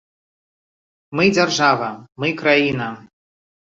Мы дзяржава, мы краіна.